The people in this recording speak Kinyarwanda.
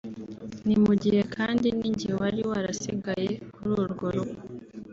ni mu gihe kandi nijye wari warasigaye kuri urwo rugo